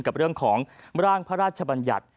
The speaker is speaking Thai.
กับเรื่องของร่างพระราชบัญญัติ